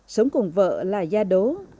sống cùng vợ là gia đố